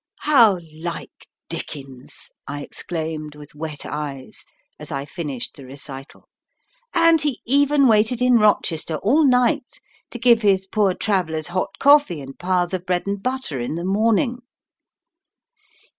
"How like Dickens!" I exclaimed, with wet eyes, as I finished the recital; "and he even waited in Rochester all night to give his poor Travellers 'hot coffee and piles of bread and butter in the morning!'"